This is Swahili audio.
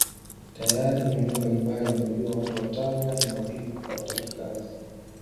Tayari maeneo mbalimbali wanajua watu wa Tanga ni wavivu hawataki kazi